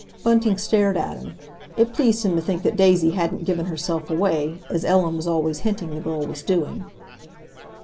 Bunting stared at him. It pleased him to think that Daisy hadn't given herself away, as Ellen was always hinting the girl was doing.